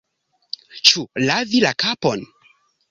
Ĉu lavi la kapon?